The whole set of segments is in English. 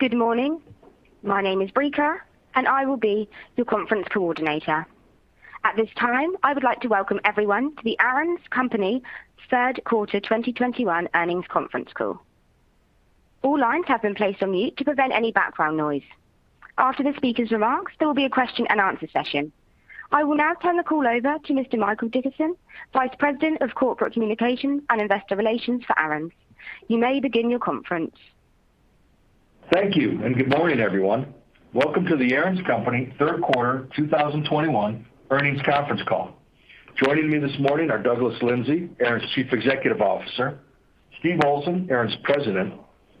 Good morning. My name is Brianna, and I will be your conference coordinator. At this time, I would like to welcome everyone to the Aaron's Company third quarter 2021 earnings conference call. All lines have been placed on mute to prevent any background noise. After the speaker's remarks, there will be a question and answer session. I will now turn the call over to Mr. Michael Dickerson, Vice President of Corporate Communications and Investor Relations for Aaron's. You may begin your conference. Thank you, and good morning, everyone. Welcome to the Aaron's Company third quarter 2021 earnings conference call. Joining me this morning are Douglas Lindsay, Aaron's Chief Executive Officer, Steve Olsen, Aaron's President,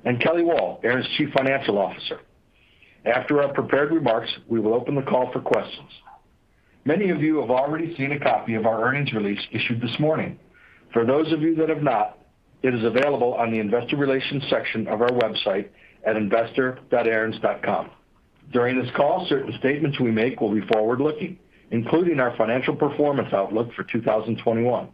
and Kelly Wall, Aaron's Chief Financial Officer. After our prepared remarks, we will open the call for questions. Many of you have already seen a copy of our earnings release issued this morning. For those of you that have not, it is available on the investor relations section of our website at investor.aarons.com. During this call, certain statements we make will be forward-looking, including our financial performance outlook for 2021.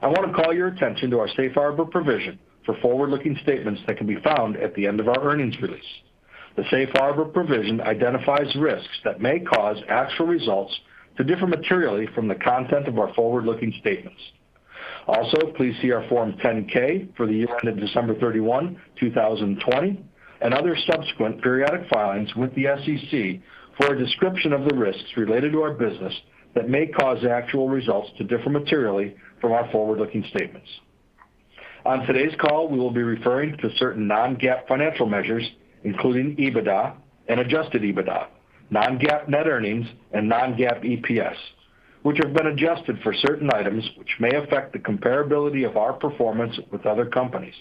I want to call your attention to our safe harbor provision for forward-looking statements that can be found at the end of our earnings release. The safe harbor provision identifies risks that may cause actual results to differ materially from the content of our forward-looking statements. Please see our Form 10-K for the year ended December 31, 2020, and other subsequent periodic filings with the SEC for a description of the risks related to our business that may cause actual results to differ materially from our forward-looking statements. On today's call, we will be referring to certain non-GAAP financial measures, including EBITDA and adjusted EBITDA, non-GAAP net earnings and non-GAAP EPS, which have been adjusted for certain items which may affect the comparability of our performance with other companies.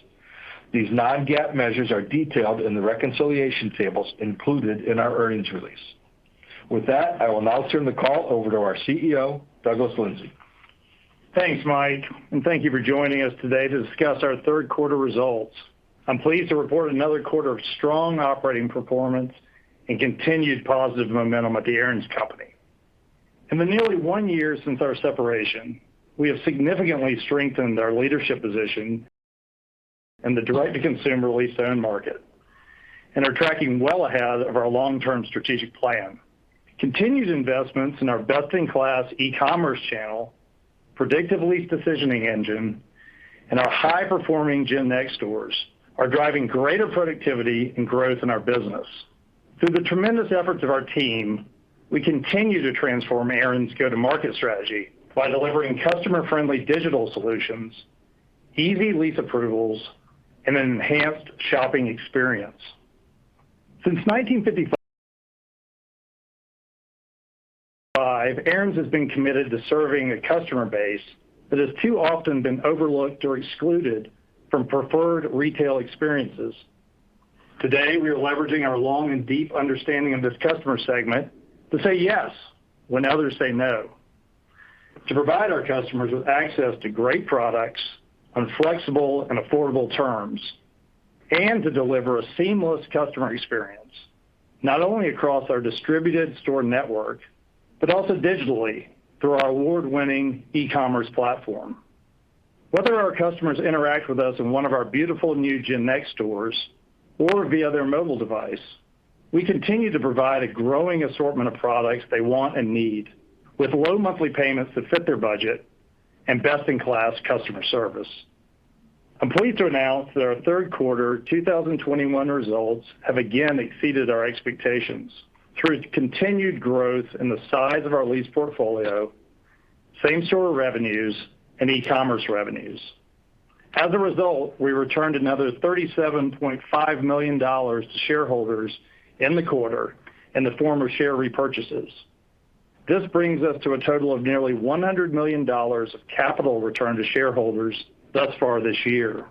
These non-GAAP measures are detailed in the reconciliation tables included in our earnings release. With that, I will now turn the call over to our CEO, Douglas Lindsay. Thanks, Mike, and thank you for joining us today to discuss our third quarter results. I'm pleased to report another quarter of strong operating performance and continued positive momentum at The Aaron's Company. In the nearly one year since our separation, we have significantly strengthened our leadership position in the direct-to-consumer lease-to-own market and are tracking well ahead of our long-term strategic plan. Continued investments in our best-in-class e-commerce channel, predictive lease decisioning engine, and our high-performing Gen Next stores are driving greater productivity and growth in our business. Through the tremendous efforts of our team, we continue to transform Aaron's go-to-market strategy by delivering customer-friendly digital solutions, easy lease approvals, and an enhanced shopping experience. Since 1955, Aaron's has been committed to serving a customer base that has too often been overlooked or excluded from preferred retail experiences. Today, we are leveraging our long and deep understanding of this customer segment to say yes when others say no. To provide our customers with access to great products on flexible and affordable terms, and to deliver a seamless customer experience, not only across our distributed store network, but also digitally through our award-winning e-commerce platform. Whether our customers interact with us in one of our beautiful new Gen Next stores or via their mobile device, we continue to provide a growing assortment of products they want and need, with low monthly payments that fit their budget and best-in-class customer service. I'm pleased to announce that our third quarter 2021 results have again exceeded our expectations through continued growth in the size of our lease portfolio, same-store revenues and e-commerce revenues. As a result, we returned another $37.5 million to shareholders in the quarter in the form of share repurchases. This brings us to a total of nearly $100 million of capital returned to shareholders thus far this year.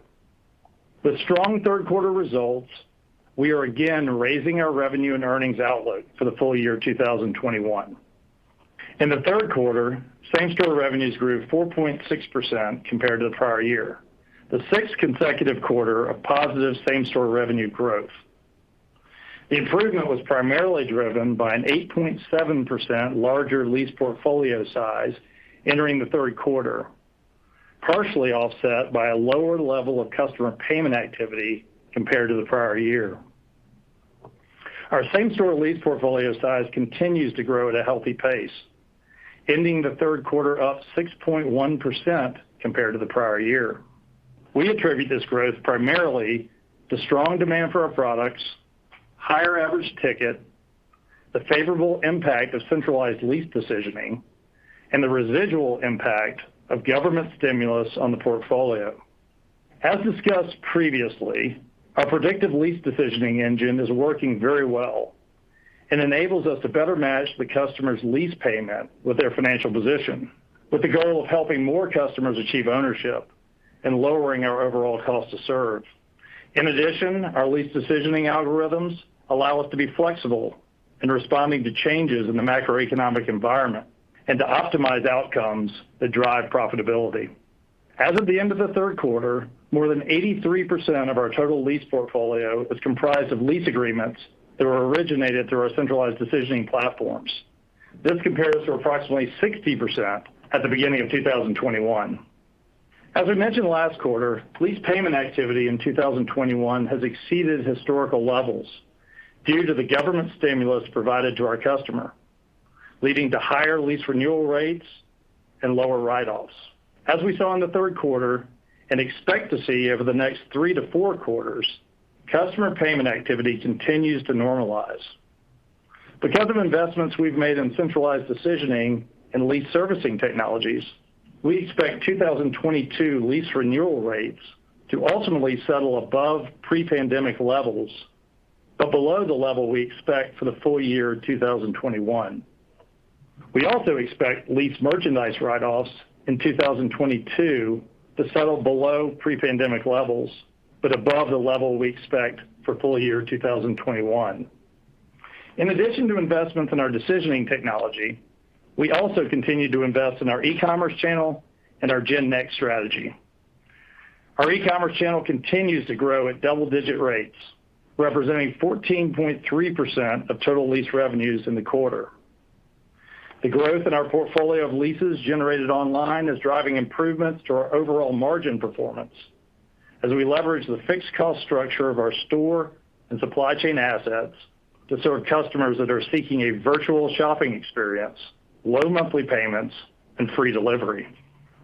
With strong third quarter results, we are again raising our revenue and earnings outlook for the full year 2021. In the third quarter, same-store revenues grew 4.6% compared to the prior year, the sixth consecutive quarter of positive same-store revenue growth. The improvement was primarily driven by an 8.7% larger lease portfolio size entering the third quarter, partially offset by a lower level of customer payment activity compared to the prior year. Our same-store lease portfolio size continues to grow at a healthy pace, ending the third quarter up 6.1% compared to the prior year. We attribute this growth primarily to strong demand for our products, higher average ticket, the favorable impact of centralized lease decisioning, and the residual impact of government stimulus on the portfolio. As discussed previously, our predictive lease decisioning engine is working very well and enables us to better match the customer's lease payment with their financial position, with the goal of helping more customers achieve ownership and lowering our overall cost to serve. In addition, our lease decisioning algorithms allow us to be flexible in responding to changes in the macroeconomic environment and to optimize outcomes that drive profitability. As of the end of the third quarter, more than 83% of our total lease portfolio is comprised of lease agreements that were originated through our centralized decisioning platforms. This compares to approximately 60% at the beginning of 2021. As we mentioned last quarter, lease payment activity in 2021 has exceeded historical levels due to the government stimulus provided to our customer, leading to higher lease renewal rates and lower write-offs. As we saw in the third quarter and expect to see over the next three, four quarters, customer payment activity continues to normalize. Because of investments we've made in centralized decisioning and lease servicing technologies, we expect 2022 lease renewal rates to ultimately settle above pre-pandemic levels, but below the level we expect for the full year 2021. We also expect lease merchandise write-offs in 2022 to settle below pre-pandemic levels, but above the level we expect for full year 2021. In addition to investments in our decisioning technology, we also continue to invest in our e-commerce channel and our Gen Next strategy. Our e-commerce channel continues to grow at double-digit rates, representing 14.3% of total lease revenues in the quarter. The growth in our portfolio of leases generated online is driving improvements to our overall margin performance as we leverage the fixed cost structure of our store and supply chain assets to serve customers that are seeking a virtual shopping experience, low monthly payments, and free delivery.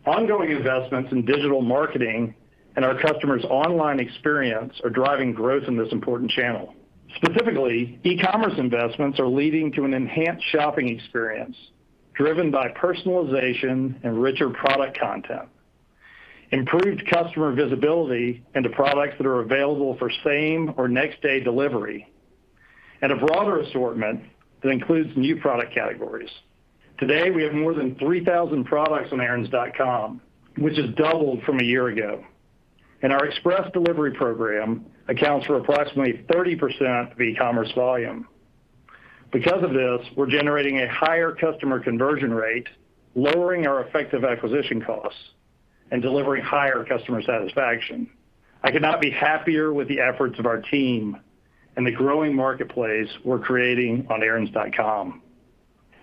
Ongoing investments in digital marketing and our customers' online experience are driving growth in this important channel. Specifically, e-commerce investments are leading to an enhanced shopping experience driven by personalization and richer product content, improved customer visibility into products that are available for same or next-day delivery, and a broader assortment that includes new product categories. Today, we have more than 3,000 products on aarons.com, which has doubled from a year ago. Our express delivery program accounts for approximately 30% of e-commerce volume. Because of this, we're generating a higher customer conversion rate, lowering our effective acquisition costs, and delivering higher customer satisfaction. I could not be happier with the efforts of our team and the growing marketplace we're creating on aarons.com.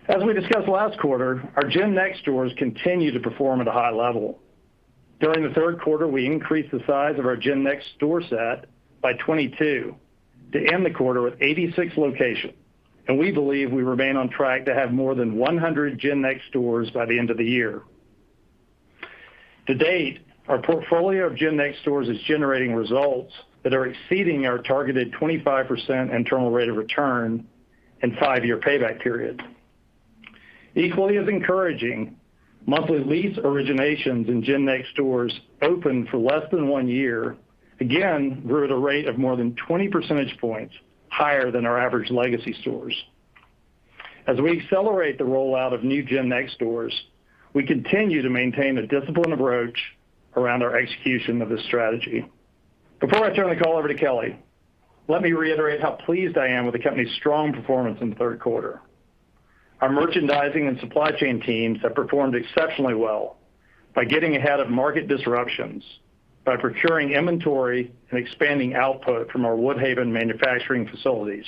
As we discussed last quarter, our Gen Next stores continue to perform at a high level. During the third quarter, we increased the size of our Gen Next store set by 22 to end the quarter with 86 locations, and we believe we remain on track to have more than 100 Gen Next stores by the end of the year. To date, our portfolio of Gen Next stores is generating results that are exceeding our targeted 25% internal rate of return and five year payback period. Equally as encouraging, monthly lease originations in Gen Next stores opened for less than one year, again, grew at a rate of more than 20 percentage points higher than our average legacy stores. As we accelerate the rollout of new Gen Next stores, we continue to maintain a disciplined approach around our execution of this strategy. Before I turn the call over to Kelly, let me reiterate how pleased I am with the company's strong performance in the third quarter. Our merchandising and supply chain teams have performed exceptionally well by getting ahead of market disruptions by procuring inventory and expanding output from our Woodhaven manufacturing facilities.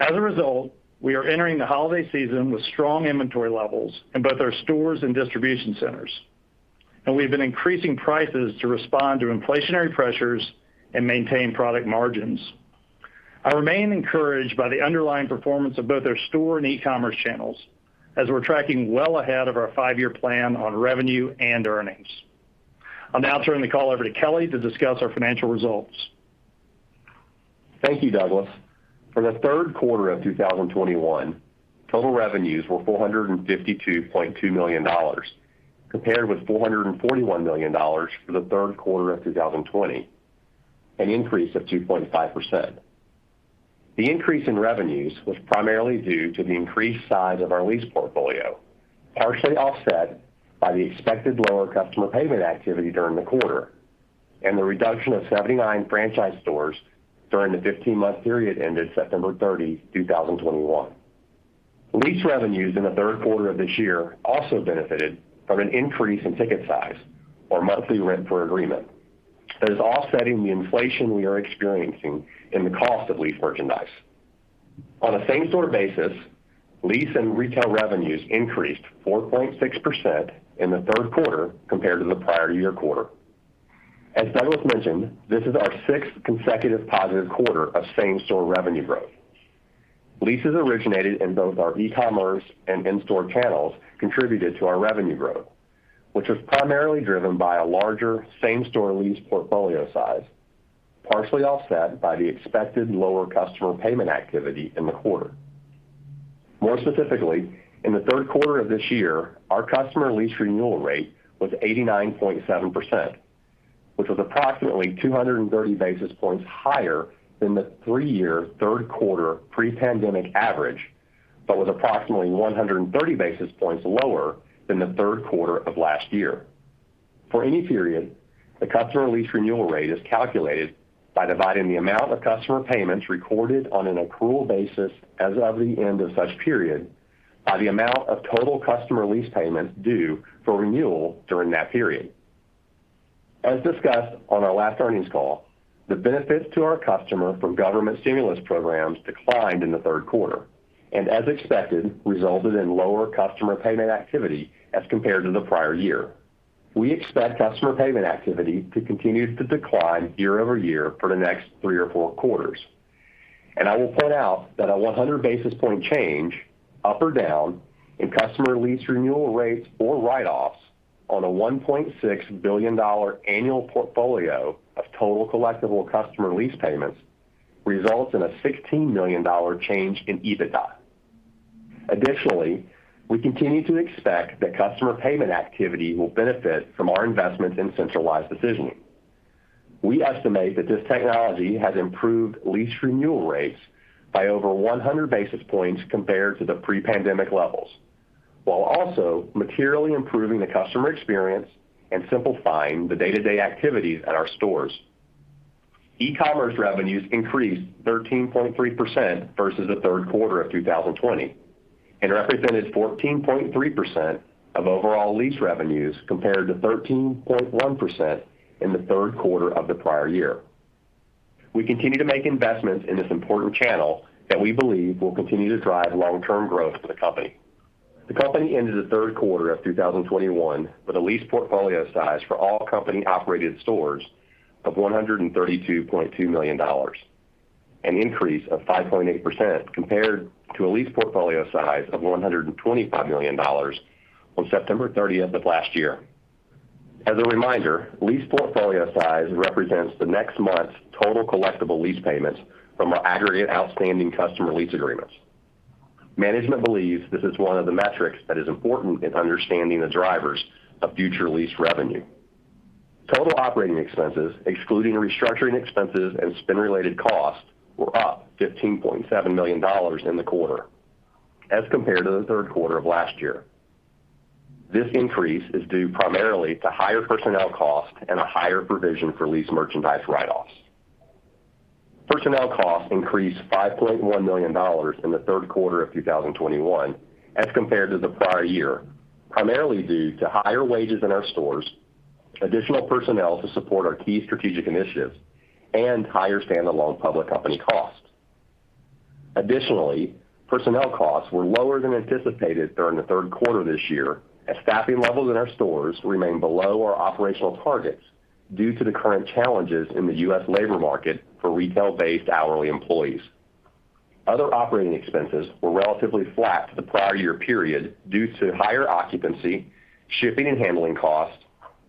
As a result, we are entering the holiday season with strong inventory levels in both our stores and distribution centers, and we've been increasing prices to respond to inflationary pressures and maintain product margins. I remain encouraged by the underlying performance of both our store and e-commerce channels as we're tracking well ahead of our five-year plan on revenue and earnings. I'll now turn the call over to Kelly to discuss our financial results. Thank you, Douglas. For the third quarter of 2021, total revenues were $452.2 million, compared with $441 million for the third quarter of 2020, an increase of 2.5%. The increase in revenues was primarily due to the increased size of our lease portfolio, partially offset by the expected lower customer payment activity during the quarter and the reduction of 79 franchise stores during the 15-month period ended September 30, 2021. Lease revenues in the third quarter of this year also benefited from an increase in ticket size or monthly rent per agreement that is offsetting the inflation we are experiencing in the cost of lease merchandise. On a same-store basis, lease and retail revenues increased 4.6% in the third quarter compared to the prior year quarter. As Douglas mentioned, this is our sixth consecutive positive quarter of same-store revenue growth. Leases originated in both our e-commerce and in-store channels contributed to our revenue growth, which was primarily driven by a larger same-store lease portfolio size, partially offset by the expected lower customer payment activity in the quarter. More specifically, in the third quarter of this year, our customer lease renewal rate was 89.7%, which was approximately 230 basis points higher than the three-year third quarter pre-pandemic average, but was approximately 130 basis points lower than the third quarter of last year. For any period, the customer lease renewal rate is calculated by dividing the amount of customer payments recorded on an accrual basis as of the end of such period by the amount of total customer lease payments due for renewal during that period. As discussed on our last earnings call, the benefits to our customer from government stimulus programs declined in the third quarter and, as expected, resulted in lower customer payment activity as compared to the prior year. We expect customer payment activity to continue to decline year-over-year for the next three or four quarters. I will point out that a 100 basis point change up or down in customer lease renewal rates or write-offs on a $1.6 billion annual portfolio of total collectible customer lease payments results in a $16 million change in EBITDA. Additionally, we continue to expect that customer payment activity will benefit from our investments in centralized decisioning. We estimate that this technology has improved lease renewal rates by over 100 basis points compared to the pre-pandemic levels, while also materially improving the customer experience and simplifying the day-to-day activities at our stores. E-commerce revenues increased 13.3% versus the third quarter of 2020 and represented 14.3% of overall lease revenues compared to 13.1% in the third quarter of the prior year. We continue to make investments in this important channel that we believe will continue to drive long-term growth for the company. The company ended the third quarter of 2021 with a lease portfolio size for all company-operated stores of $132.2 million, an increase of 5.8% compared to a lease portfolio size of $125 million on September 30 of last year. As a reminder, lease portfolio size represents the next month's total collectible lease payments from our aggregate outstanding customer lease agreements. Management believes this is one of the metrics that is important in understanding the drivers of future lease revenue. Total operating expenses, excluding restructuring expenses and spin-related costs, were up $15.7 million in the quarter as compared to the third quarter of last year. This increase is due primarily to higher personnel costs and a higher provision for lease merchandise write-offs. Personnel costs increased $5.1 million in the third quarter of 2021 as compared to the prior year, primarily due to higher wages in our stores, additional personnel to support our key strategic initiatives and higher stand-alone public company costs. Additionally, personnel costs were lower than anticipated during the third quarter this year as staffing levels in our stores remain below our operational targets due to the current challenges in the U.S. labor market for retail-based hourly employees. Other operating expenses were relatively flat to the prior year period due to higher occupancy, shipping and handling costs,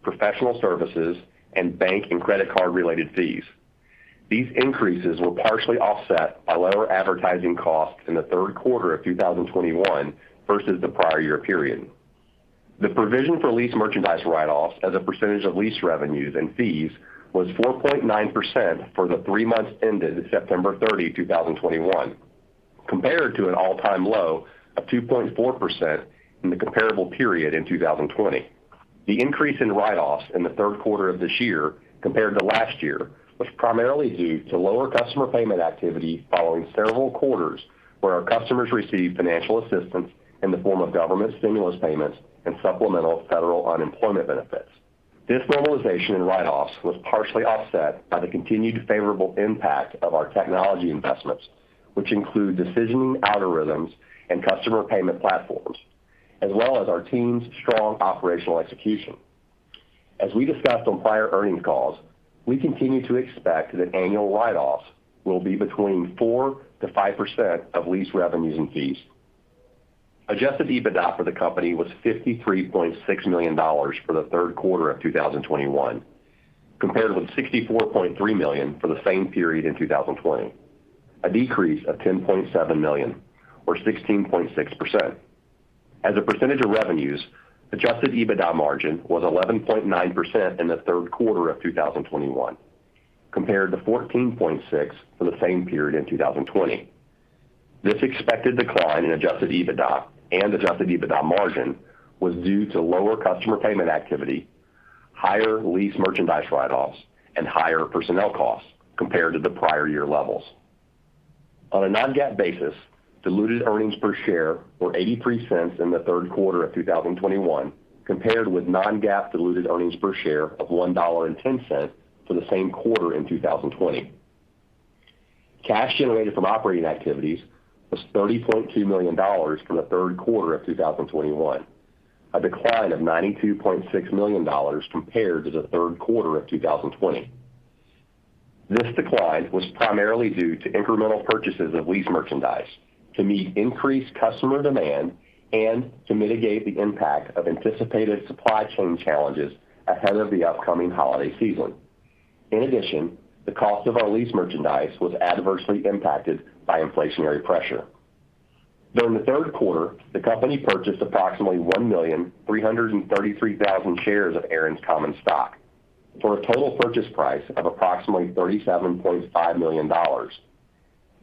professional services, and bank and credit card-related fees. These increases were partially offset by lower advertising costs in the third quarter of 2021 versus the prior year period. The provision for lease merchandise write-offs as a percentage of lease revenues and fees was 4.9% for the three months ended September 30, 2021, compared to an all-time low of 2.4% in the comparable period in 2020. The increase in write-offs in the third quarter of this year compared to last year was primarily due to lower customer payment activity following several quarters where our customers received financial assistance in the form of government stimulus payments and supplemental federal unemployment benefits. This normalization in write-offs was partially offset by the continued favorable impact of our technology investments, which include decisioning algorithms and customer payment platforms, as well as our team's strong operational execution. As we discussed on prior earnings calls, we continue to expect that annual write-offs will be between 4%-5% of lease revenues and fees. Adjusted EBITDA for the company was $53.6 million for the third quarter of 2021, compared with $64.3 million for the same period in 2020, a decrease of $10.7 million or 16.6%. As a percentage of revenues, adjusted EBITDA margin was 11.9% in the third quarter of 2021, compared to 14.6% for the same period in 2020. This expected decline in adjusted EBITDA and adjusted EBITDA margin was due to lower customer payment activity, higher lease merchandise write-offs, and higher personnel costs compared to the prior year levels. On a non-GAAP basis, diluted earnings per share were $0.83 in the third quarter of 2021, compared with non-GAAP diluted earnings per share of $1.10 for the same quarter in 2020. Cash generated from operating activities was $30.2 million for the third quarter of 2021, a decline of $92.6 million compared to the third quarter of 2020. This decline was primarily due to incremental purchases of lease merchandise to meet increased customer demand and to mitigate the impact of anticipated supply chain challenges ahead of the upcoming holiday season. In addition, the cost of our lease merchandise was adversely impacted by inflationary pressure. During the third quarter, the company purchased approximately 1,333,000 shares of Aaron's common stock for a total purchase price of approximately $37.5 million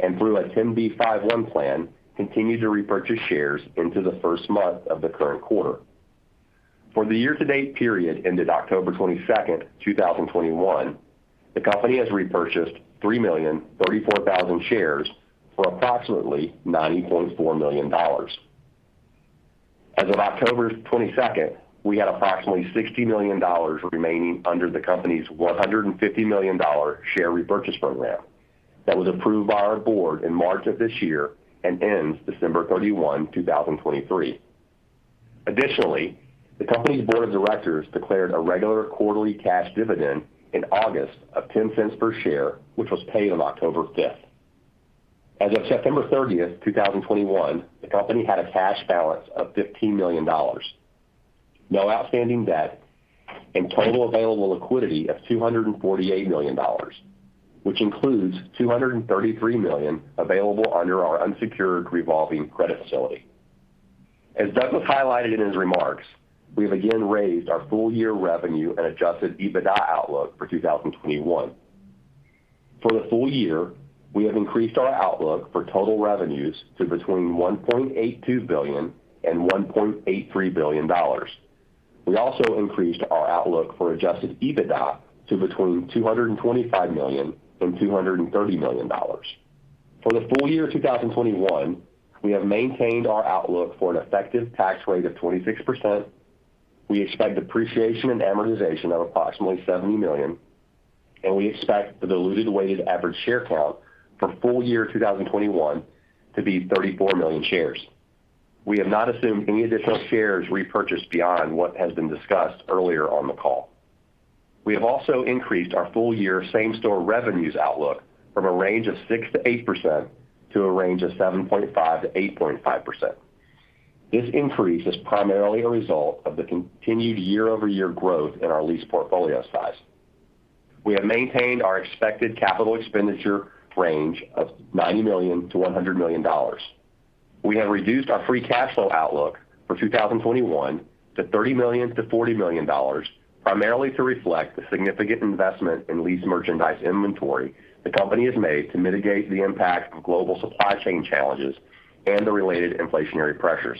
and through a 10b5-1 plan, continued to repurchase shares into the first month of the current quarter. For the year-to-date period ended October 22, 2021, the company has repurchased 3,034,000 shares for approximately $90.4 million. As of October 22, we had approximately $60 million remaining under the company's $150 million share repurchase program that was approved by our board in March of this year and ends December 31, 2023. Additionally, the company's board of directors declared a regular quarterly cash dividend in August of $0.10 per share, which was paid on October 5. As of September 30, 2021, the company had a cash balance of $15 million, no outstanding debt, and total available liquidity of $248 million, which includes $233 million available under our unsecured revolving credit facility. Douglas highlighted in his remarks, we have again raised our full year revenue and adjusted EBITDA outlook for 2021. For the full year, we have increased our outlook for total revenues to between $1.82 billion and $1.83 billion. We also increased our outlook for adjusted EBITDA to between $225 million and $230 million. For the full year of 2021, we have maintained our outlook for an effective tax rate of 26%. We expect depreciation and amortization of approximately $70 million, and we expect the diluted weighted average share count for full year 2021 to be 34 million shares. We have not assumed any additional shares repurchased beyond what has been discussed earlier on the call. We have also increased our full year same store revenues outlook from a range of 6%-8% to a range of 7.5%-8.5%. This increase is primarily a result of the continued year-over-year growth in our lease portfolio size. We have maintained our expected capital expenditure range of $90 million-$100 million. We have reduced our free cash flow outlook for 2021 to $30 million-$40 million, primarily to reflect the significant investment in lease merchandise inventory the company has made to mitigate the impact of global supply chain challenges and the related inflationary pressures.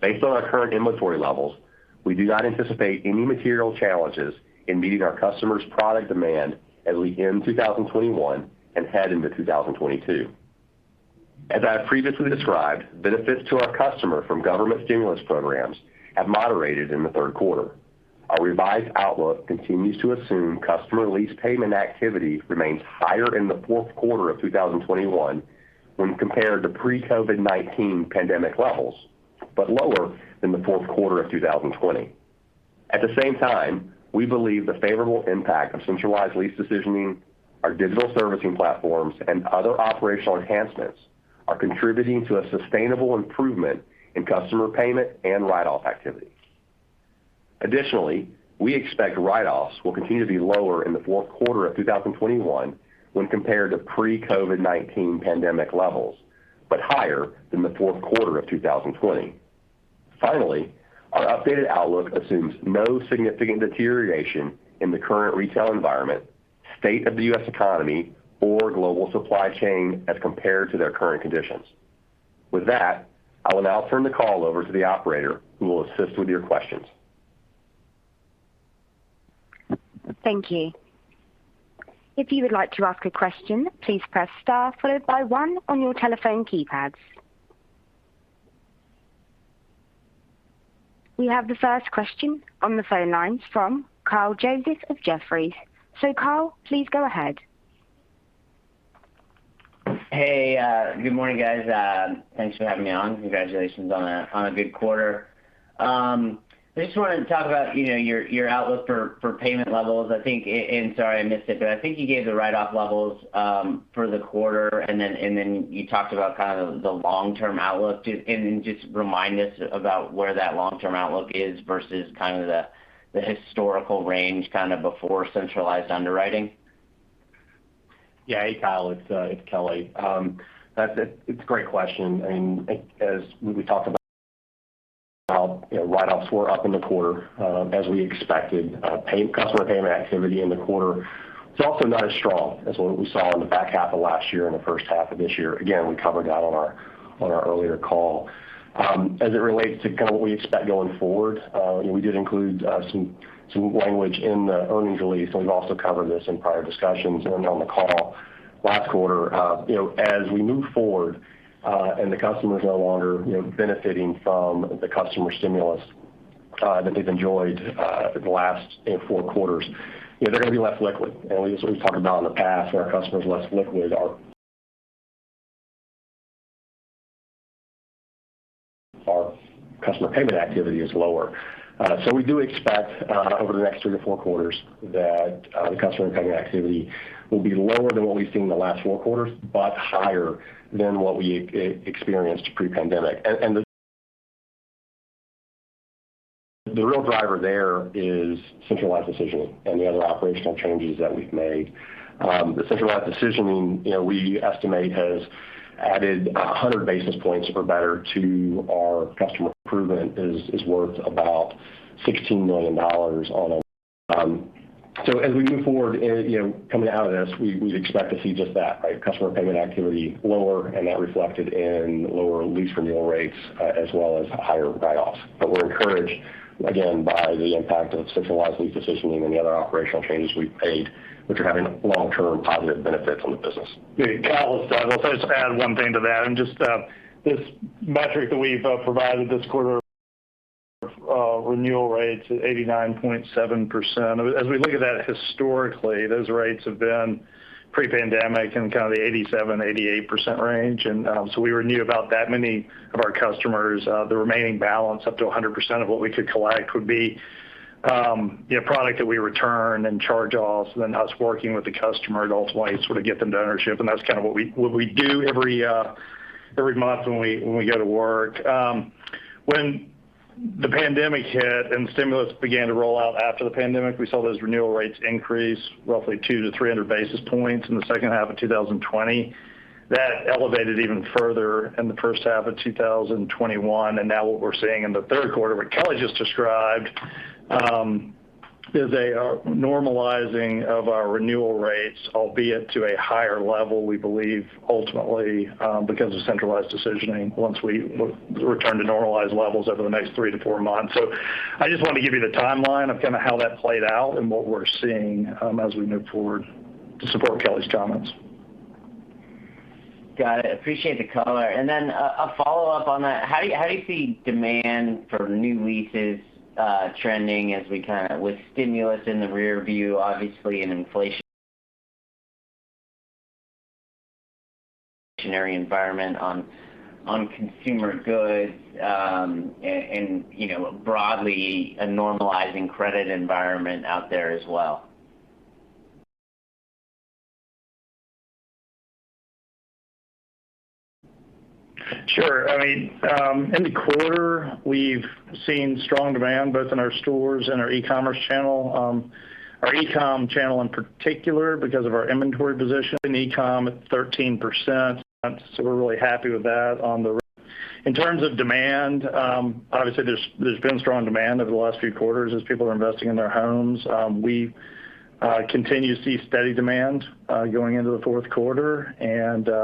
Based on our current inventory levels, we do not anticipate any material challenges in meeting our customers' product demand as we end 2021 and head into 2022. As I have previously described, benefits to our customer from government stimulus programs have moderated in the third quarter. Our revised outlook continues to assume customer lease payment activity remains higher in the fourth quarter of 2021 when compared to pre-COVID-19 pandemic levels, but lower than the fourth quarter of 2020. At the same time, we believe the favorable impact of centralized lease decisioning, our digital servicing platforms, and other operational enhancements are contributing to a sustainable improvement in customer payment and write-off activity. Additionally, we expect write-offs will continue to be lower in the fourth quarter of 2021 when compared to pre-COVID-19 pandemic levels, but higher than the fourth quarter of 2020. Finally, our updated outlook assumes no significant deterioration in the current retail environment, state of the U.S. economy, or global supply chain as compared to their current conditions. With that, I will now turn the call over to the operator, who will assist with your questions. Thank you. If you would like to ask a question, please press star followed by one on your telephone keypads. We have the first question on the phone lines from Kyle Joseph of Jefferies. Kyle, please go ahead. Hey, good morning, guys. Thanks for having me on. Congratulations on a good quarter. I just wanted to talk about, you know, your outlook for payment levels. I think and sorry, I missed it, but I think you gave the write-off levels for the quarter, and then you talked about kind of the long-term outlook. Just remind us about where that long-term outlook is versus kind of the historical range, kind of before centralized underwriting. Yeah. Hey, Kyle, it's Kelly. That's a great question. As we talked about you know, write-offs were up in the quarter, as we expected. Customer payment activity in the quarter was also not as strong as what we saw in the back half of last year and the first half of this year. Again, we covered that on our earlier call. As it relates to kind of what we expect going forward, you know, we did include some language in the earnings release, and we've also covered this in prior discussions and on the call last quarter. You know, as we move forward, the customer is no longer benefiting from the customer stimulus that they've enjoyed the last four quarters, you know, they're gonna be less liquid. We've talked about in the past, when our customer's less liquid our customer payment activity is lower. We do expect over the next three to four quarters that the customer payment activity will be lower than what we've seen in the last four quarters, but higher than what we experienced pre-pandemic. The real driver there is centralized decisioning and the other operational changes that we've made. The centralized decisioning, you know, we estimate has added 100 basis points or better to our customer improvement is worth about $16 million on a. As we move forward and, you know, coming out of this, we'd expect to see just that, right? Customer payment activity lower and that reflected in lower lease renewal rates, as well as higher write-offs. We're encouraged again by the impact of centralized lease decisioning and the other operational changes we've made, which are having long-term positive benefits on the business. Great. Kelly will start, I'll just add one thing to that. Just this metric that we've provided this quarter, renewal rates at 89.7%. As we look at that historically, those rates have been pre-pandemic in kind of the 87%-88% range. We renew about that many of our customers. The remaining balance up to 100% of what we could collect would be, you know, product that we return and charge offs and then us working with the customer to ultimately sort of get them to ownership, and that's kind of what we do every month when we go to work. When the pandemic hit and stimulus began to roll out after the pandemic, we saw those renewal rates increase roughly 200 basis points-300 basis points in the second half of 2020. That elevated even further in the first half of 2021. Now what we're seeing in the third quarter, what Kelly just described, is a normalizing of our renewal rates, albeit to a higher level, we believe ultimately, because of centralized decisioning once we return to normalized levels over the next three to four months. I just want to give you the timeline of kind of how that played out and what we're seeing, as we move forward to support Kelly's comments. Got it. Appreciate the color. A follow-up on that. How do you see demand for new leases trending with stimulus in the rearview, obviously, and inflationary environment on consumer goods, and you know, broadly a normalizing credit environment out there as well? Sure. I mean, in the quarter, we've seen strong demand both in our stores and our e-commerce channel. Our e-com channel in particular because of our inventory position in e-com at 13%. We're really happy with that. In terms of demand, obviously, there's been strong demand over the last few quarters as people are investing in their homes. We continue to see steady demand going into the fourth quarter.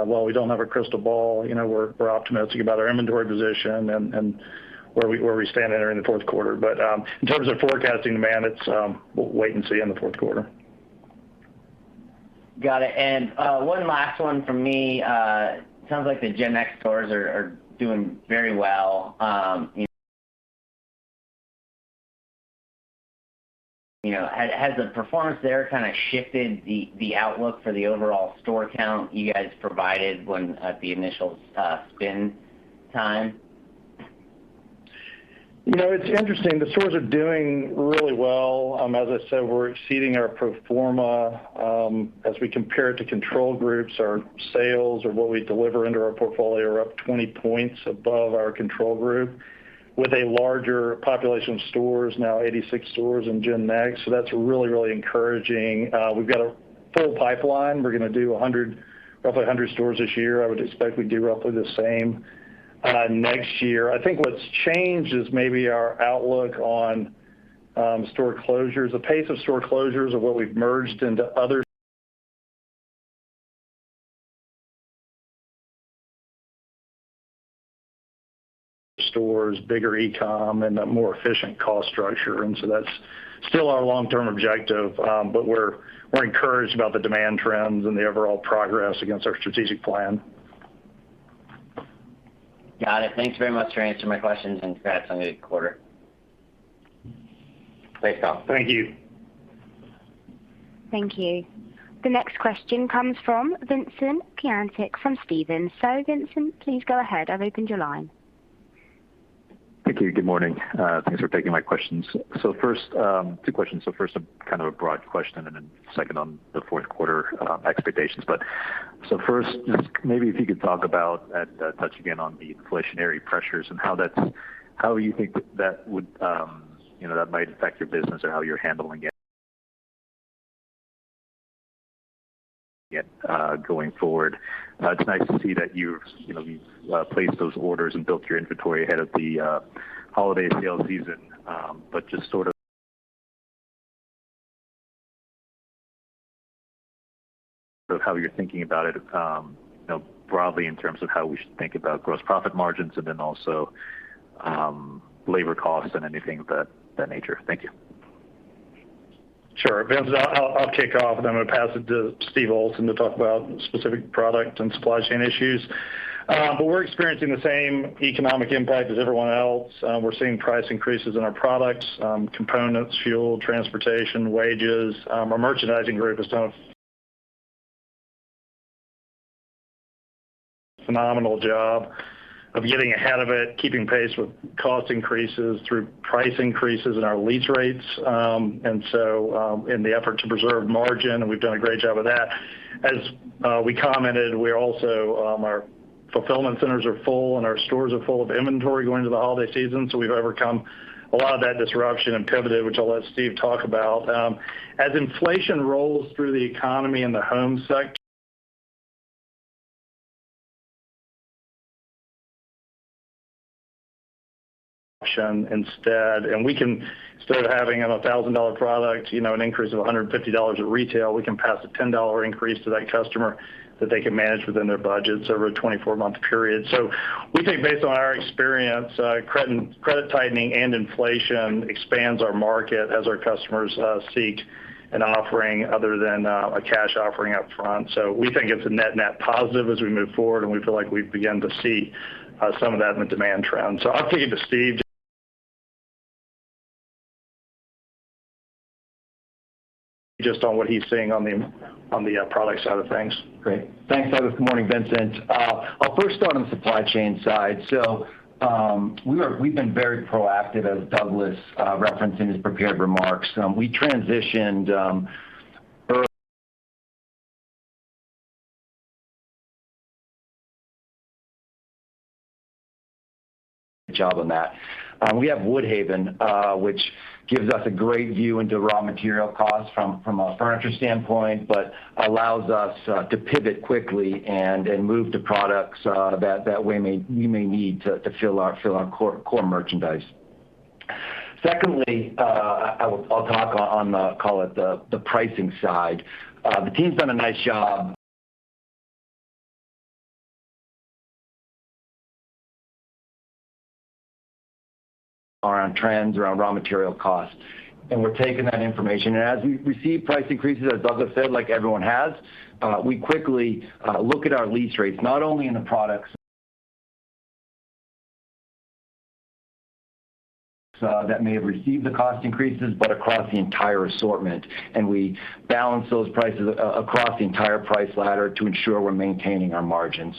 While we don't have a crystal ball, you know, we're optimistic about our inventory position and where we stand entering the fourth quarter. In terms of forecasting demand, it's we'll wait and see in the fourth quarter. Got it. One last one from me. Sounds like the Gen Next stores are doing very well. You know, has the performance there kind of shifted the outlook for the overall store count you guys provided when at the initial spin time? You know, it's interesting. The stores are doing really well. As I said, we're exceeding our pro forma, as we compare it to control groups. Our sales or what we deliver under our portfolio are up 20 points above our control group with a larger population of stores, now 86 stores in Gen Next. That's really, really encouraging. We've got a full pipeline. We're gonna do 100, roughly 100 stores this year. I would expect we do roughly the same, next year. I think what's changed is maybe our outlook on, store closures. The pace of store closures of what we've merged into other stores, bigger e-com and a more efficient cost structure, and so that's still our long-term objective. We're encouraged about the demand trends and the overall progress against our strategic plan. Got it. Thanks very much for answering my questions and congrats on a good quarter. Thanks, Kyle. Thank you. Thank you. The next question comes from Vincent Caintic from Stephens. Vincent, please go ahead. I've opened your line. Thank you. Good morning. Thanks for taking my questions. First, two questions. First a kind of a broad question and then second on the fourth quarter expectations. First just maybe if you could talk about and touch again on the inflationary pressures and how that's, how you think that would, you know, that might affect your business or how you're handling it, going forward. It's nice to see that you've, you know, placed those orders and built your inventory ahead of the holiday sales season. Just sort of how you're thinking about it, you know, broadly in terms of how we should think about gross profit margins and then also, labor costs and anything of that nature. Thank you. Sure. Vincent, I'll kick off, and then I'm gonna pass it to Steve Olsen to talk about specific product and supply chain issues. We're experiencing the same economic impact as everyone else. We're seeing price increases in our products, components, fuel, transportation, wages. Our merchandising group is doing a phenomenal job of getting ahead of it, keeping pace with cost increases through price increases in our lease rates. In the effort to preserve margin, and we've done a great job of that. As we commented, our fulfillment centers are full, and our stores are full of inventory going into the holiday season, so we've overcome a lot of that disruption and pivoted, which I'll let Steve talk about. As inflation rolls through the economy and the home sector. We can start having on a $1,000 product, you know, an increase of $150 at retail. We can pass a $10 increase to that customer that they can manage within their budgets over a 24-month period. We think based on our experience, credit tightening and inflation expands our market as our customers seek an offering other than a cash offering up front. We think it's a net-net positive as we move forward, and we feel like we've begun to see some of that in the demand trends. I'll kick it to Steve just on what he's seeing on the product side of things. Great. Thanks, Douglas. Good morning, Vincent. I'll first start on the supply chain side. We've been very proactive as Douglas referenced in his prepared remarks. We transitioned early good job on that. We have Woodhaven, which gives us a great view into raw material costs from a furniture standpoint, but allows us to pivot quickly and move to products that we may need to fill our core merchandise. Secondly, I'll talk on the, call it the, pricing side. The team's done a nice job on trends, on raw material costs. We're taking that information. As we receive price increases, as Douglas said, like everyone has, we quickly look at our lease rates, not only in the products that may have received the cost increases, but across the entire assortment. We balance those prices across the entire price ladder to ensure we're maintaining our margins.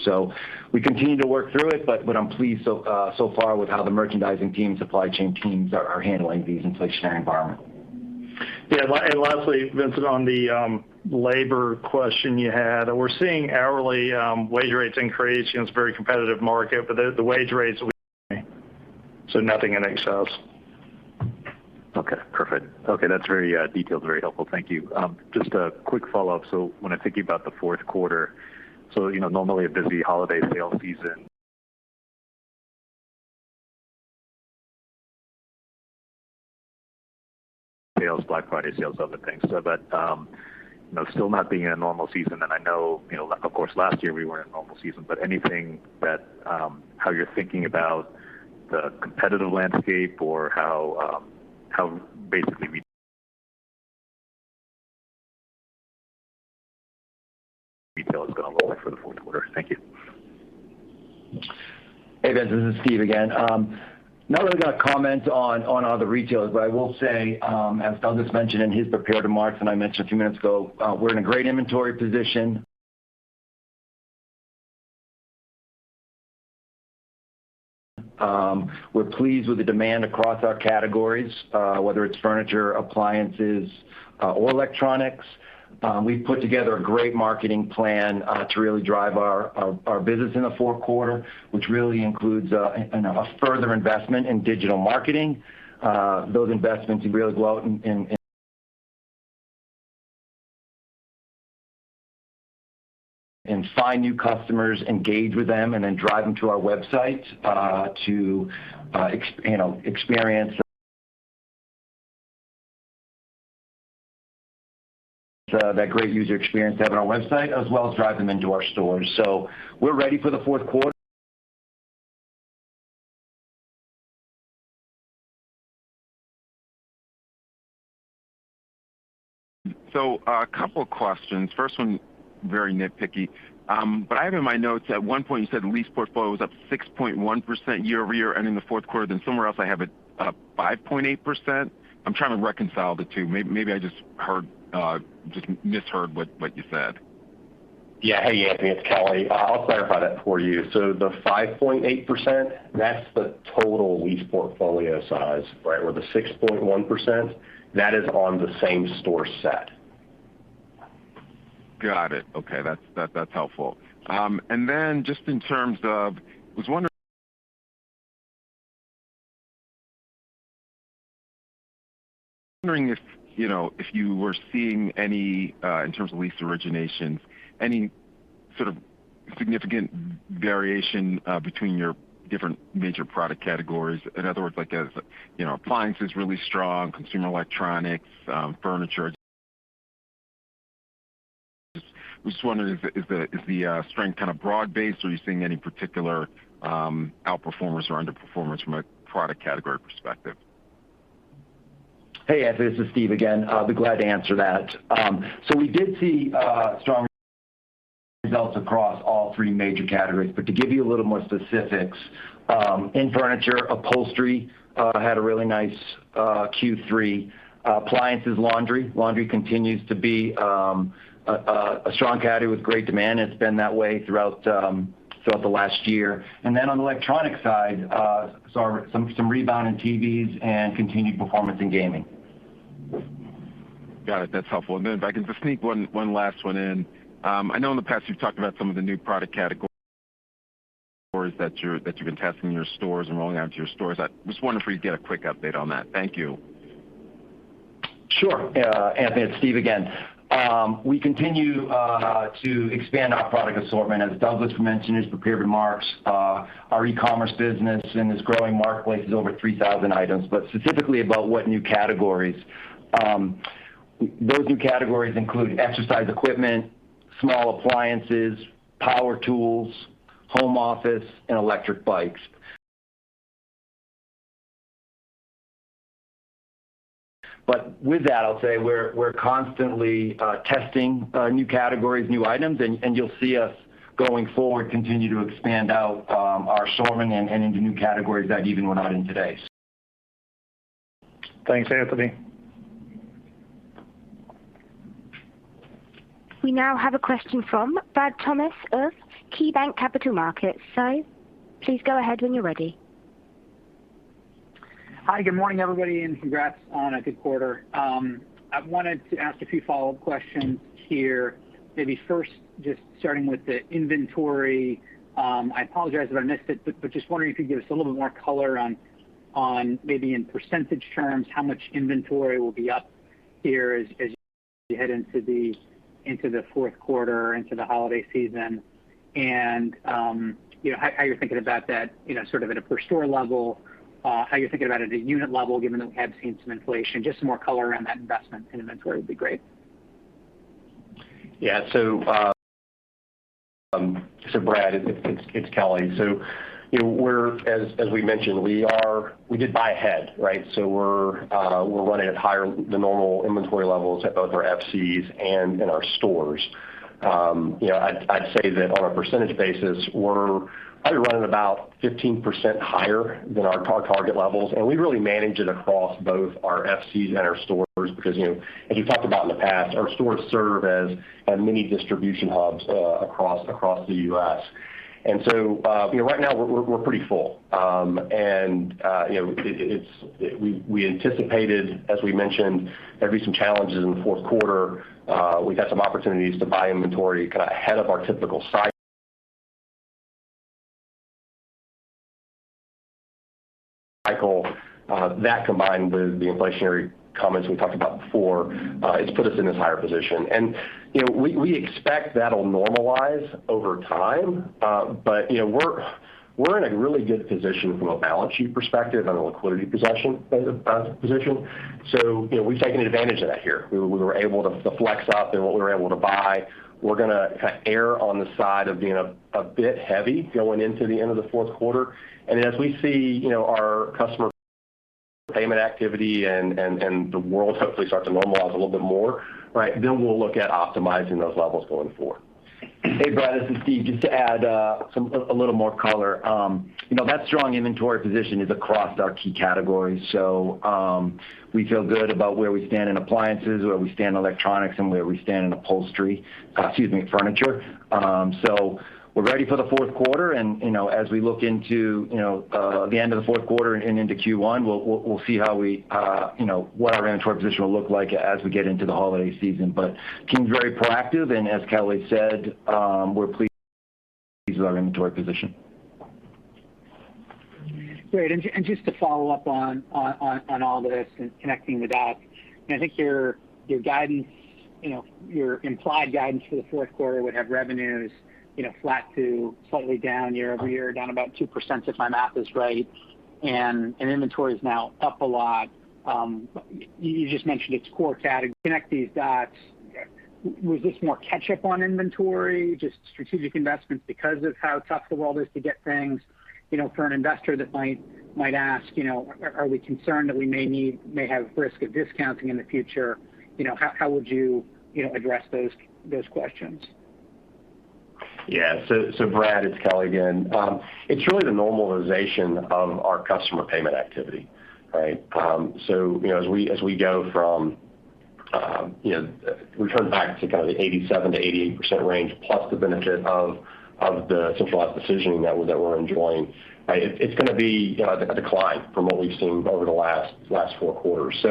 We continue to work through it, but what I'm pleased so far with how the merchandising team, supply chain teams are handling these inflationary environment. Yeah. Lastly, Vincent, on the labor question you had, we're seeing hourly wage rates increase. You know, it's a very competitive market, but the wage rates so nothing excessive. Okay, perfect. Okay. That's very detailed. Very helpful. Thank you. Just a quick follow-up. When I'm thinking about the fourth quarter, you know, normally a busy holiday sale season sales, Black Friday sales, other things. But you know, still not being in a normal season, and I know, you know, of course, last year we weren't in normal season, but anything that, how you're thinking about the competitive landscape or how basically retail has gone overall for the fourth quarter. Thank you. Hey, guys. This is Steve again. Not really gonna comment on other retailers, but I will say, as Douglas mentioned in his prepared remarks, and I mentioned a few minutes ago, we're in a great inventory position. We're pleased with the demand across our categories, whether it's furniture, appliances, or electronics. We've put together a great marketing plan to really drive our business in the fourth quarter, which really includes a further investment in digital marketing. Those investments really go out and find new customers, engage with them, and then drive them to our website to you know, experience that great user experience they have on our website, as well as drive them into our stores. We're ready for the fourth quarter. A couple questions. First one, very nitpicky. But I have in my notes at one point you said lease portfolio was up 6.1% year-over-year and in the fourth quarter, then somewhere else I have it, 5.8%. I'm trying to reconcile the two. Maybe I just heard, just misheard what you said. Yeah. Hey, Anthony, it's Kelly. I'll clarify that for you. The 5.8%, that's the total lease portfolio size, right? Where the 6.1%, that is on the same store set. Got it. Okay. That's helpful. Just in terms of wondering if, you know, if you were seeing any in terms of lease originations, any sort of significant variation between your different major product categories. In other words, like as, you know, appliances really strong, consumer electronics, furniture. Just wondering is the strength kind of broad-based, or are you seeing any particular outperformance or underperformance from a product category perspective? Hey, Anthony, this is Steve again. I'll be glad to answer that. So we did see strong results across all three major categories. To give you a little more specifics, in furniture, upholstery had a really nice Q3. Appliances, laundry continues to be a strong category with great demand. It's been that way throughout the last year. On the electronics side, we saw some rebound in TVs and continued performance in gaming. Got it. That's helpful. Then if I can just sneak one last one in. I know in the past you've talked about some of the new product categories that you've been testing in your stores and rolling out to your stores. I'm just wondering if we could get a quick update on that. Thank you. Sure. Anthony, it's Steve again. We continue to expand our product assortment, as Douglas mentioned in his prepared remarks. Our e-commerce business in this growing marketplace is over 3,000 items. Specifically about what new categories, those new categories include exercise equipment, small appliances, power tools, home office, and electric bikes. With that, I'll say we're constantly testing new categories, new items, and you'll see us going forward continue to expand out our assortment and into new categories that even we're not in today. Thanks, Anthony. We now have a question from Bradley Thomas of KeyBanc Capital Markets. Please go ahead when you're ready. Hi, good morning, everybody, and congrats on a good quarter. I wanted to ask a few follow-up questions here. Maybe first, just starting with the inventory, I apologize if I missed it, but just wondering if you could give us a little bit more color on, maybe in percentage terms, how much inventory will be up here as you head into the fourth quarter, into the holiday season. You know, how you're thinking about that, you know, sort of at a per store level, how you're thinking about it at a unit level, given that we have seen some inflation, just some more color around that investment in inventory would be great. So Brad, it's Kelly. You know, as we mentioned, we did buy ahead, right? We're running at higher than normal inventory levels at both our FCs and in our stores. You know, I'd say that on a percentage basis, we're probably running about 15% higher than our target levels. We really manage it across both our FCs and our stores because, you know, as we've talked about in the past, our stores serve as mini distribution hubs across the U.S. You know, right now we're pretty full. We anticipated, as we mentioned, there'd be some challenges in the fourth quarter. We've had some opportunities to buy inventory kind of ahead of our typical cycle. That combined with the inflationary comments we talked about before has put us in this higher position. You know, we expect that'll normalize over time. You know, we're in a really good position from a balance sheet perspective and a liquidity position. You know, we've taken advantage of that here. We were able to flex up in what we were able to buy. We're gonna kind of err on the side of being a bit heavy going into the end of the fourth quarter. As we see, you know, our customer payment activity and the world hopefully start to normalize a little bit more, right? Then we'll look at optimizing those levels going forward. Hey, Brad, this is Steve. Just to add, a little more color. You know, that strong inventory position is across our key categories. We feel good about where we stand in appliances, where we stand in electronics, and where we stand in upholstery, excuse me, furniture. We're ready for the fourth quarter and, you know, as we look into, you know, the end of the fourth quarter and into Q1, we'll see how we, you know, what our inventory position will look like as we get into the holiday season. But the team's very proactive, and as Kelly said, we're pleased with our inventory position. Great. Just to follow up on all this and connecting the dots. I think your guidance, you know, your implied guidance for the fourth quarter would have revenues, you know, flat to slightly down year-over-year, down about 2% if my math is right, and inventory is now up a lot. You just mentioned its core category. Connect these dots. Was this more catch-up on inventory, just strategic investments because of how tough the world is to get things? You know, for an investor that might ask, you know, are we concerned that we may need, may have risk of discounting in the future? You know, how would you know, address those questions? Yeah. Brad, it's Kelly again. It's really the normalization of our customer payment activity, right? You know, as we go from, you know, we turn back to kind of the 87%-88% range plus the benefit of the centralized decisioning that we're enjoying, right? It's gonna be, you know, a decline from what we've seen over the last four quarters.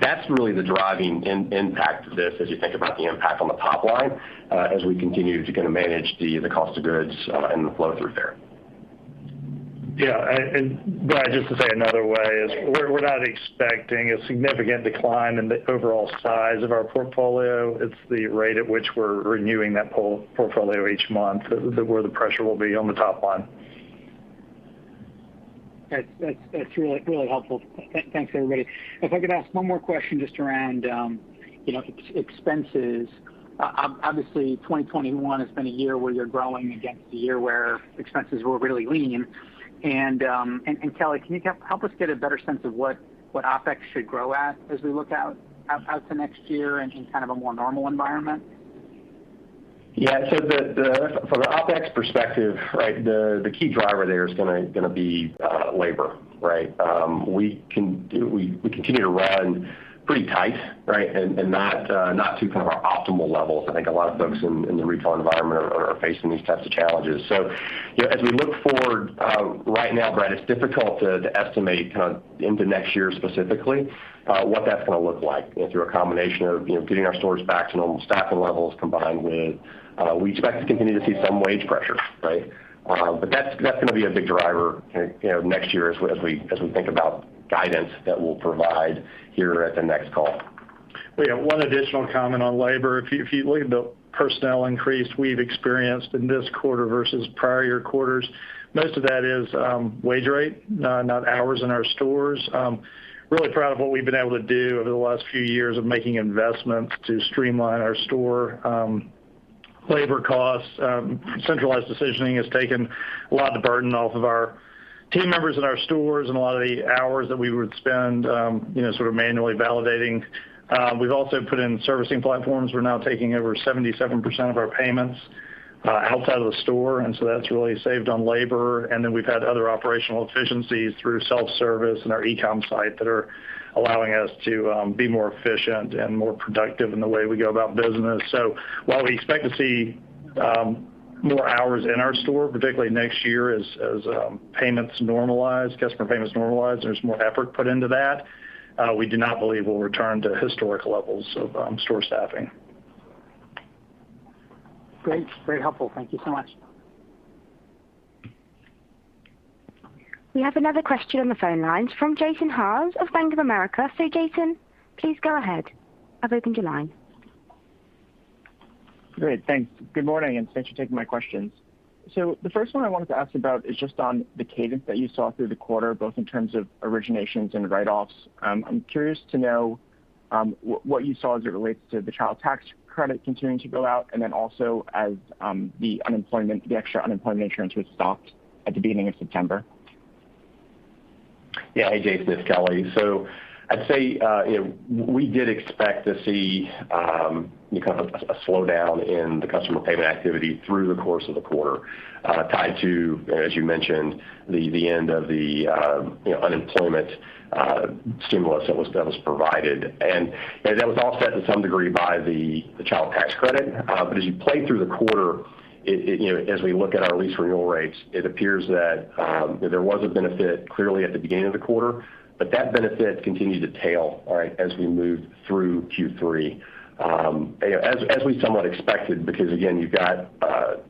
That's really the driving impact of this as you think about the impact on the top line, as we continue to kind of manage the cost of goods, and the flow through there. Yeah. Brad, just to say another way, we're not expecting a significant decline in the overall size of our portfolio. It's the rate at which we're renewing that portfolio each month, that's where the pressure will be on the top line. That's really helpful. Thanks, everybody. If I could ask one more question just around, you know, expenses. Obviously, 2021 has been a year where you're growing against a year where expenses were really lean. Kelly, can you help us get a better sense of what OpEx should grow at as we look out to next year in kind of a more normal environment? Yeah. From an OpEx perspective, right, the key driver there is gonna be labor, right? We continue to run pretty tight, right, and not to kind of our optimal levels. I think a lot of folks in the retail environment are facing these types of challenges. You know, as we look forward, right now, Brad, it's difficult to estimate kind of into next year specifically what that's gonna look like through a combination of, you know, getting our stores back to normal staffing levels combined with we expect to continue to see some wage pressure, right? That's gonna be a big driver, you know, next year as we think about guidance that we'll provide here at the next call. We have one additional comment on labor. If you look at the personnel increase we've experienced in this quarter versus prior year quarters, most of that is wage rate, not hours in our stores. Really proud of what we've been able to do over the last few years of making investments to streamline our store labor costs. Centralized decisioning has taken a lot of the burden off of our team members in our stores and a lot of the hours that we would spend you know sort of manually validating. We've also put in servicing platforms. We're now taking over 77% of our payments outside of the store, and so that's really saved on labor. We've had other operational efficiencies through self-service and our e-com site that are allowing us to be more efficient and more productive in the way we go about business. While we expect to see more hours in our store, particularly next year as customer payments normalize and there's more effort put into that, we do not believe we'll return to historic levels of store staffing. Great. Very helpful. Thank you so much. We have another question on the phone lines from Jason Haas of Bank of America. Jason, please go ahead. I've opened your line. Great, thanks. Good morning, and thanks for taking my questions. The first one I wanted to ask about is just on the cadence that you saw through the quarter, both in terms of originations and write-offs. I'm curious to know what you saw as it relates to the Child Tax Credit continuing to go out and then also as the unemployment, the extra unemployment insurance was stopped at the beginning of September. Yeah. Hey, Jason, it's Kelly. I'd say, you know, we did expect to see, you know, a slowdown in the customer payment activity through the course of the quarter, tied to, as you mentioned, the end of the, you know, unemployment stimulus that was provided. You know, that was offset to some degree by the Child Tax Credit. As you play through the quarter, it, you know, as we look at our lease renewal rates, it appears that, you know, there was a benefit clearly at the beginning of the quarter, but that benefit continued to tail, all right, as we moved through Q3. You know, as we somewhat expected, because again, you've got,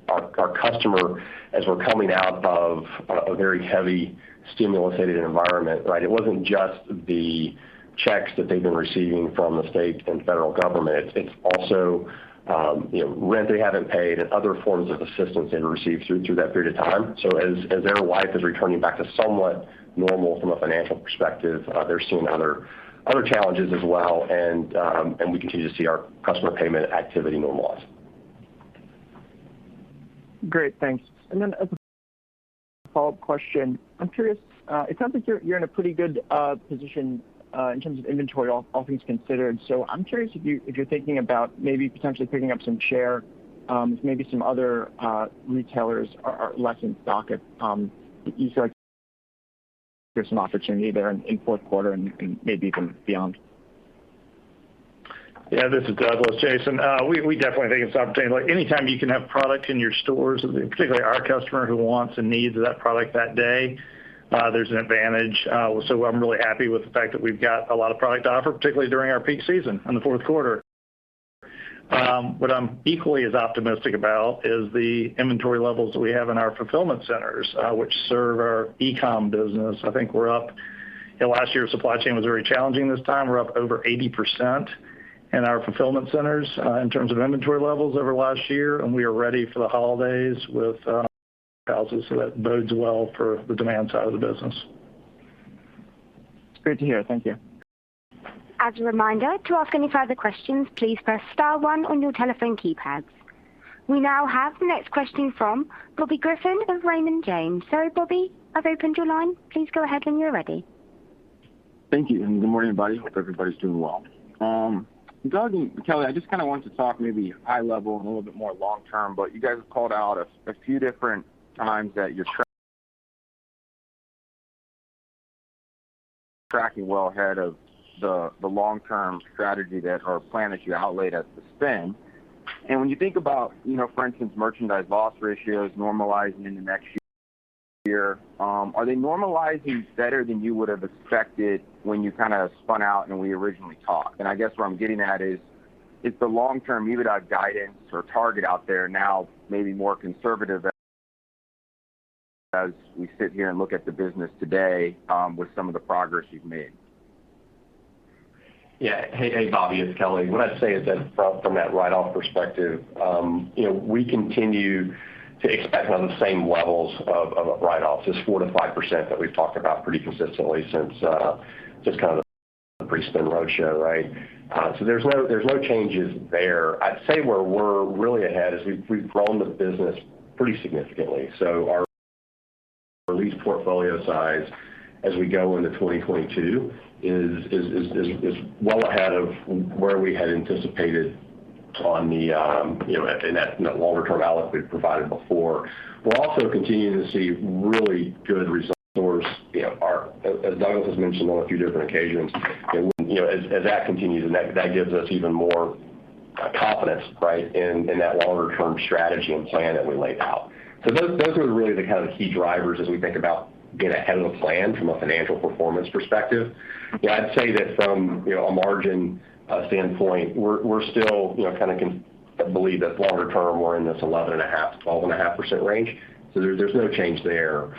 our customer as we're coming out of a very heavy stimulus-aided environment, right? It wasn't just the checks that they've been receiving from the state and federal government. It's also, you know, rent they haven't paid and other forms of assistance they received through that period of time. As their life is returning back to somewhat normal from a financial perspective, they're seeing other challenges as well. We continue to see our customer payment activity normalize. Great, thanks. As a follow-up question, I'm curious. It sounds like you're in a pretty good position in terms of inventory, all things considered. I'm curious if you're thinking about maybe potentially picking up some share, if maybe some other retailers are less in stock, you feel like there's some opportunity there in fourth quarter and maybe even beyond. Yeah, this is Douglas, Jason. We definitely think it's an opportunity. Like, anytime you can have product in your stores, and particularly our customer who wants and needs that product that day, there's an advantage. I'm really happy with the fact that we've got a lot of product to offer, particularly during our peak season in the fourth quarter. What I'm equally as optimistic about is the inventory levels that we have in our fulfillment centers, which serve our e-com business. I think we're up. You know, last year's supply chain was very challenging this time. We're up over 80% in our fulfillment centers, in terms of inventory levels over last year, and we are ready for the holidays with housewares. That bodes well for the demand side of the business. It's great to hear. Thank you. As a reminder, to ask any further questions, please press star one on your telephone keypads. We now have the next question from Bobby Griffin of Raymond James. Bobby, I've opened your line. Please go ahead when you're ready. Thank you, and good morning, everybody. Hope everybody's doing well. Doug and Kelly, I just kinda wanted to talk maybe high level and a little bit more long term, but you guys have called out a few different times that you're tracking well ahead of the long-term strategy or plan that you outlined at the spin. When you think about, you know, for instance, merchandise loss ratios normalizing in the next year, are they normalizing better than you would have expected when you kinda spun out and we originally talked? I guess where I'm getting at is the long-term EBITDA guidance or target out there now maybe more conservative as we sit here and look at the business today, with some of the progress you've made? Hey, Bobby, it's Kelly. What I'd say is that from that write-off perspective, you know, we continue to expect on the same levels of write-offs, this 4%-5% that we've talked about pretty consistently since just kind of the pre-spin roadshow, right? So there's no changes there. I'd say where we're really ahead is we've grown the business pretty significantly. So our lease portfolio size as we go into 2022 is well ahead of where we had anticipated on the, you know, in that longer term outlook we've provided before. We're also continuing to see really good results. You know, our. As Douglas has mentioned on a few different occasions, and when you know as that continues and that gives us even more confidence right in that longer term strategy and plan that we laid out. Those are really the kind of key drivers as we think about getting ahead of the plan from a financial performance perspective. You know, I'd say that from you know a margin standpoint, we're still you know I believe that longer term we're in this 11.5%-12.5% range. There's no change there.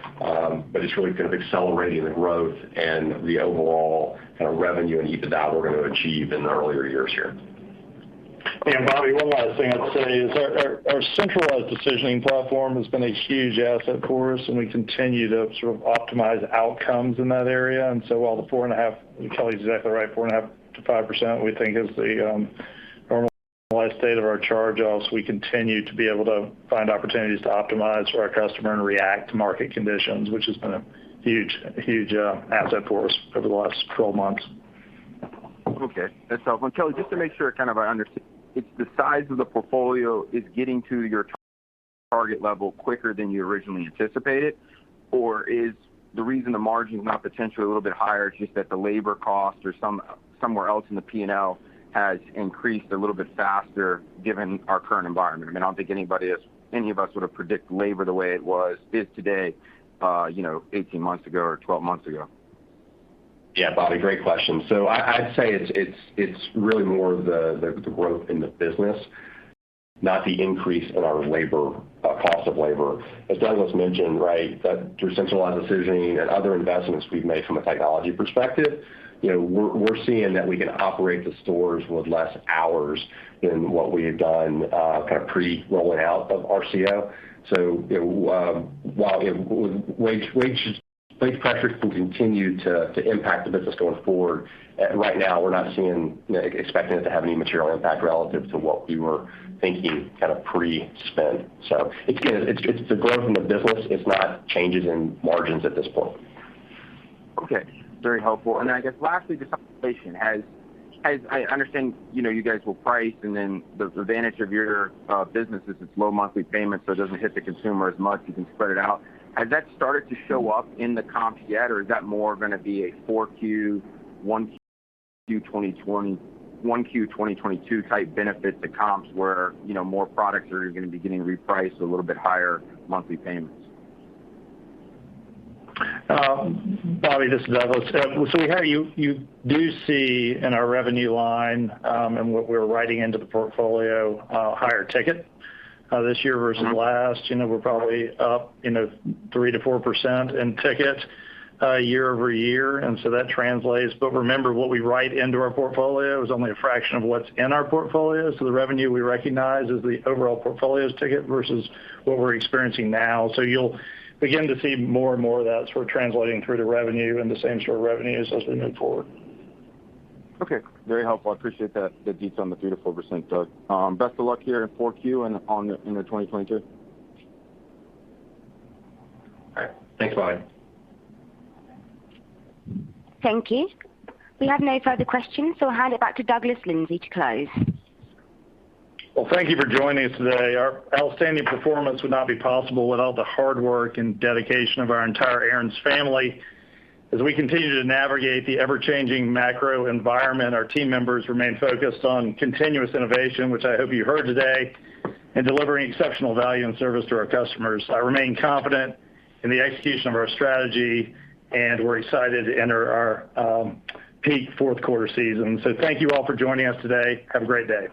It's really kind of accelerating the growth and the overall kind of revenue and EBITDA we're gonna achieve in the earlier years here. Bobby, one last thing I'd say is our centralized decisioning platform has been a huge asset for us, and we continue to sort of optimize outcomes in that area. While the 4.5%, Kelly's exactly right, 4.5%-5% we think is the normalized state of our charge-offs. We continue to be able to find opportunities to optimize for our customer and react to market conditions, which has been a huge asset for us over the last 12 months. Okay. That's helpful. Kelly, just to make sure It's the size of the portfolio is getting to your target level quicker than you originally anticipated? Or is the reason the margin's not potentially a little bit higher is just that the labor cost or somewhere else in the P&L has increased a little bit faster given our current environment? I mean, I don't think any of us would have predicted labor the way it is today, you know, 18 months ago or 12 months ago. Yeah. Bobby, great question. I'd say it's really more the growth in the business, not the increase in our labor cost of labor. As Douglas mentioned, right, that through centralized decisioning and other investments we've made from a technology perspective, you know, we're seeing that we can operate the stores with less hours than what we had done kind of pre-rolling out of RCO. You know, while wage pressures can continue to impact the business going forward, right now we're not seeing, you know, expecting it to have any material impact relative to what we were thinking kind of pre-spend. It's again the growth in the business, it's not changes in margins at this point. Okay. Very helpful. I guess lastly, just inflation. I understand, you know, you guys will price and then the advantage of your business is it's low monthly payments, so it doesn't hit the consumer as much, you can spread it out. Has that started to show up in the comps yet or is that more gonna be a 4Q, 1Q 2021, 1Q 2022 type benefit to comps where, you know, more products are gonna be getting repriced a little bit higher monthly payments? Bobby, this is Douglas. We have you do see in our revenue line, and what we're writing into the portfolio, higher ticket this year versus last. You know, we're probably up, you know, 3%-4% in ticket year-over-year, and that translates. Remember, what we write into our portfolio is only a fraction of what's in our portfolio. The revenue we recognize is the overall portfolio's ticket versus what we're experiencing now. You'll begin to see more and more of that sort of translating through to revenue and the same store revenues as we move forward. Okay. Very helpful. I appreciate that, the detail on the 3%-4%, Doug. Best of luck here in Q4 and into 2022. All right. Thanks, Bobby. Thank you. We have no further questions, so I'll hand it back to Douglas Lindsay to close. Well, thank you for joining us today. Our outstanding performance would not be possible without the hard work and dedication of our entire Aaron's family. As we continue to navigate the ever-changing macro environment, our team members remain focused on continuous innovation, which I hope you heard today, in delivering exceptional value and service to our customers. I remain confident in the execution of our strategy, and we're excited to enter our peak fourth quarter season. Thank you all for joining us today. Have a great day.